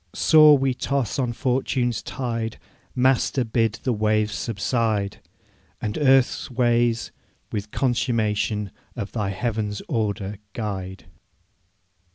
Sore we toss on fortune's tide; Master, bid the waves subside! And earth's ways with consummation Of Thy heaven's order guide!'